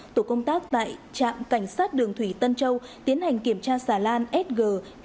tổ công tác tại trạm cảnh sát đường thủy tân châu tiến hành kiểm tra xà lan sg chín nghìn ba trăm sáu mươi một